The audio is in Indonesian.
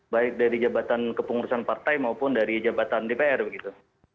baik dari jabatan kepengurusan partai maupun dari jabatan dpr begitu